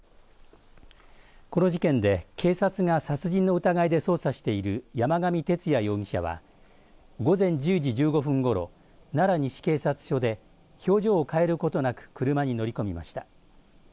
この事件で警察が殺人の疑いで捜査している山上徹也容疑者は午前１０時１５分ごろ、奈良西警察署で表情を変えることなく車に乗り込みました。